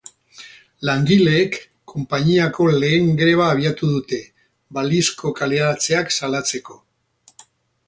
Langileek konpainiako lehen greba abiatu dute, balizko kaleratzeak salatzeko.